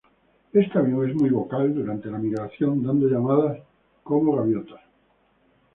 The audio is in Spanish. Este avión es muy vocal durante la migración, dando llamados como gaviotas.